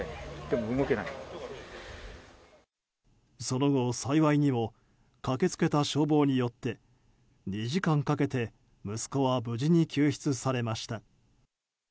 その後、幸いにも駆け付けた消防によって２時間かけて息子は無事に救出されました。